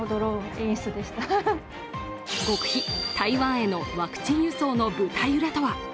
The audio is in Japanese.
極秘、台湾へのワクチン輸送の舞台裏とは。